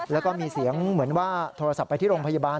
แล้วก็มีเสียงเหมือนว่าโทรศัพท์ไปที่โรงพยาบาล